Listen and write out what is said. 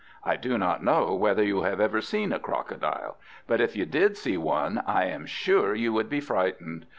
I do not know whether you have ever seen a crocodile; but if you did see one, I am sure you would be frightened.